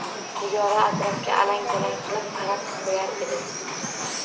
Nigora atrofga alang-jalang qilib qarab qoʻyar edi.